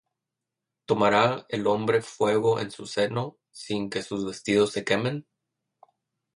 ¿Tomará el hombre fuego en su seno, Sin que sus vestidos se quemen?